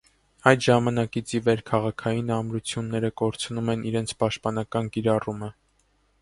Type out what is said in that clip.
Այդ ժամանակից ի վեր քաղաքային ամրությունները կորցնում են իրենց պաշտպանական կիրառումը։